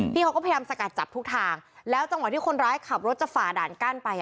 เขาก็พยายามสกัดจับทุกทางแล้วจังหวะที่คนร้ายขับรถจะฝ่าด่านกั้นไป